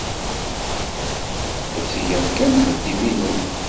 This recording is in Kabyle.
La ttgeɣ kan axeddim-inu.